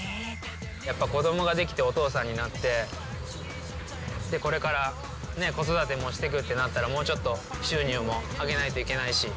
やっぱ子どもが出来てお父さんになって、で、これからね、子育てもしてくってなったら、もうちょっと収入も上げないといけないし。